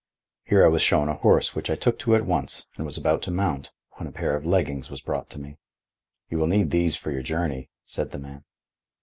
Here I was shown a horse which I took to at once and was about to mount, when a pair of leggings was brought to me. "You will need these for your journey," said the man.